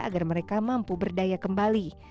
agar mereka mampu berdaya kembali